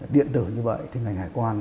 điện tử như vậy thì ngành hải quan